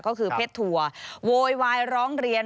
ก็คือเพชรถั่วโวยวายร้องเรียน